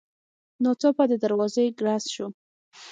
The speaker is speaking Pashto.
ناڅاپه د دروازې ګړز شو.